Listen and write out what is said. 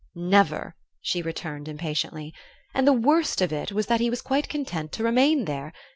"Never," she returned, impatiently; "and the worst of it was that he was quite content to remain there.